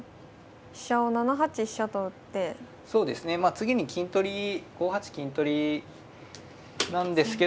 次に金取り５八金取りなんですけど。